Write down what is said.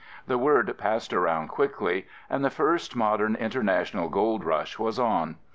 The word passed around quickly, and the first modern international gold rush was on.